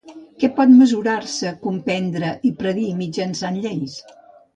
Què pot mesurar-se, comprendre i predir mitjançant lleis?